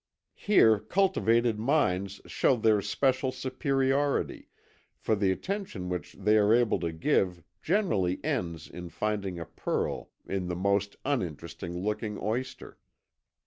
Here cultivated minds show their especial superiority, for the attention which they are able to give generally ends in finding a pearl in the most uninteresting looking oyster.